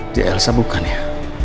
dia elsa bukan ya